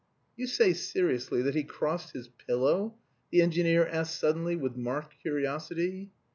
"You say seriously that he crossed his pillow?" the engineer asked suddenly with marked curiosity.